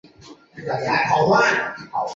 金熙宗赐萧肄通天犀带。